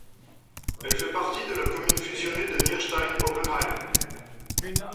Elle fait partie de la commune fusionnée de Nierstein-Oppenheim.